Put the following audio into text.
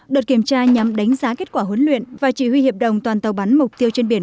đợt kiểm tra nhằm đánh giá kết quả huấn luyện và chỉ huy hiệp đồng toàn tàu bắn mục tiêu trên biển